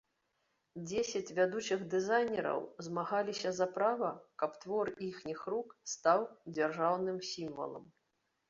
Дзесяць вядучых дызайнераў змагаліся за права, каб твор іхніх рук стаў дзяржаўным сімвалам.